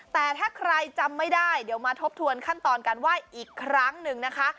แต่ถ้าใครจำไม่ได้เดี๋ยวมาทบทวนขั้นตอนการไหว้อีกครั้งหนึ่งนะคะ